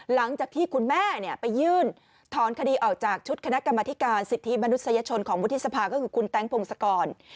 หลังจากที่คุณแม่ไปยื่นถอนคดีออกจากชุดคณะกรรมธิการสิทธิมนุษยชนของวุฒิสภาก็คือคุณแต๊งพงศกร